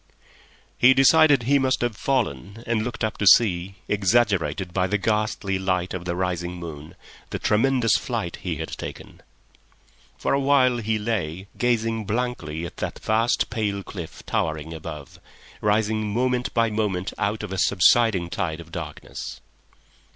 He decided he must have fallen, and looked up to see, exaggerated by the ghastly light of the rising moon, the tremendous flight he had taken. For a while he lay, gazing blankly at the vast, pale cliff towering above, rising moment by moment out of a subsiding tide of darkness.